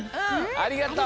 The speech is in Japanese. ありがとう。